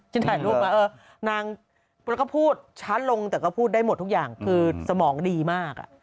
จนถ่ายลูกมาเออแล้วก็พูดชาร์จลงแต่ก็พูดได้หมดทุกอย่างสมองดีมาก